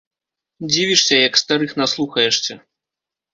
Дзівішся, як старых наслухаешся.